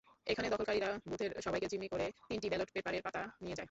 এখানে দখলকারীরা বুথের সবাইকে জিম্মি করে তিনটি ব্যালট পেপারের পাতা নিয়ে যায়।